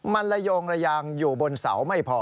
มันระโยงระยางอยู่บนเสาไม่พอ